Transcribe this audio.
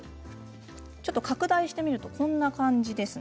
拡大してみると、こんな感じです。